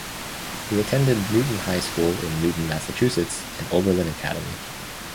He attended Newton High School in Newton, Massachusetts and Oberlin Academy.